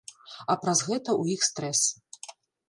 А праз гэта ў іх стрэс.